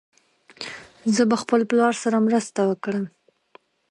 زه به خپل پلار سره مرسته وکړم.